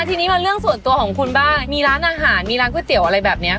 ทีนี้มาเรื่องส่วนตัวของคุณบ้างมีร้านอาหารมีร้านก๋วยเตี๋ยวอะไรแบบเนี้ย